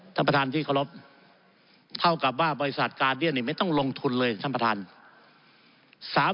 ท่านประธานที่เคารพเท่ากับว่าบริษัทกาเดียนนี่ไม่ต้องลงทุนเลยท่านประธาน